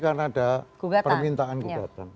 karena ada permintaan gugatan